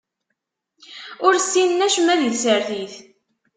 Ur ssinen acemma di tsertit.